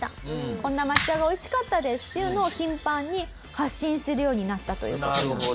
こんな抹茶が美味しかったですっていうのを頻繁に発信するようになったという事なんです。